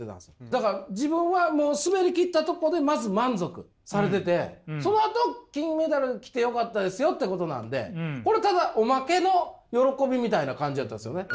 だから自分はもう滑り切ったとこでまず満足されててそのあと金メダル来てよかったですよってことなんでこれただオマケの喜びみたいな感じやったんですよね。